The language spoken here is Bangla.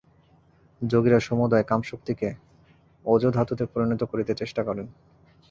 যোগীরা সমুদয় কামশক্তিকে ওজোধাতুতে পরিণত করিতে চেষ্টা করেন।